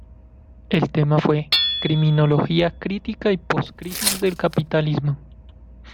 El tema fue "criminología crítica y post-crisis del capitalismo".